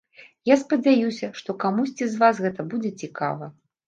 Я спадзяюся, што камусьці з вас гэта будзе цікава.